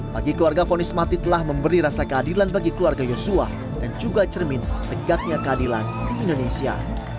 pagi keluarga fonis mati telah memberi rasa keadilan bagi keluarga yosua dan juga cermin tegaknya keadilan di indonesia